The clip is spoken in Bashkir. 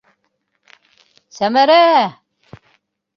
- Сәмәрә!